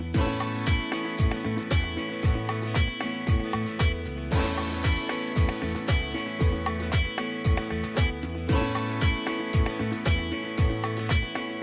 โปรดติดตามตอนต่อไป